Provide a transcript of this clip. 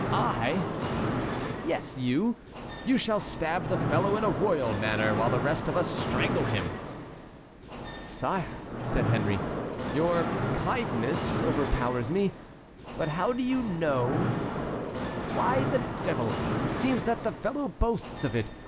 "I!" "Yes, you! you shall stab the fellow in a royal manner, while the rest of us strangle him." "Sire," said Henry, "your kindness overpowers me; but how do you know"— "Why, the devil! it seems that the fellow boasts of it.